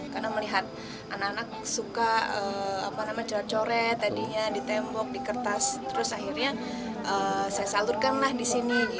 karena melihat anak anak suka cara coret tadinya di tembok di kertas terus akhirnya saya salurkanlah di sini